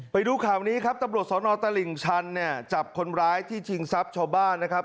ไปดูข่าวนี้ครับตำรวจสนตลิ่งชันเนี่ยจับคนร้ายที่ชิงทรัพย์ชาวบ้านนะครับ